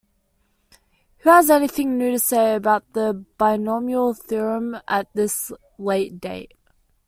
Who has anything new to say about the binomial theorem at this late date?